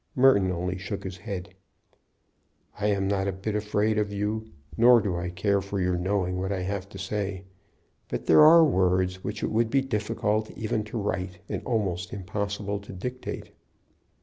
Merton only shook his head. "I'm not a bit afraid of you, nor do I care for your knowing what I have to say. But there are words which it would be difficult even to write, and almost impossible to dictate."